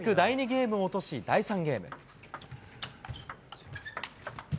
ゲームも落とし、第３ゲーム。